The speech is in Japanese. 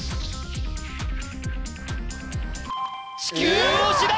地球押しだ！